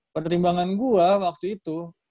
pertimbangan gue waktu itu